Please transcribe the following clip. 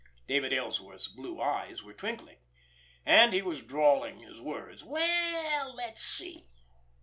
David Ellsworth's blue eyes were twinkling, and he was drawling his words. "Well, let's see!